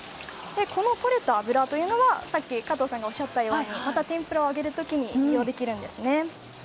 このとれた油というのが加藤さんがおっしゃったようにまた天ぷらを揚げる時に利用できるんですね。